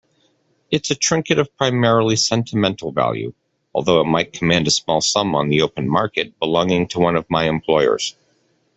It's a trinket of primarily sentimental value, although it might command a small sum on the open market, belonging to one of my employers.